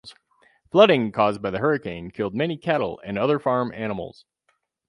Flooding caused by the hurricane killed many cattle and other farm animals.